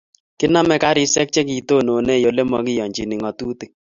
kinamei garishek che kitononei ole makiyanchini ngatutik